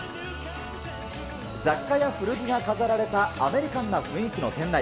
雑貨や古着が飾られたアメリカンな雰囲気の店内。